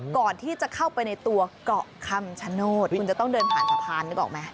ก่อนที่จะเข้าไปในตัวเกาะคำชโนธคุณจะต้องเดินผ่านสะพานนึกออกไหม